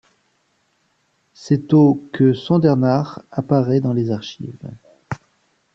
C'est au que Sondernach apparaît dans les archives.